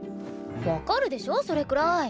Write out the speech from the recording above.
わかるでしょそれくらい。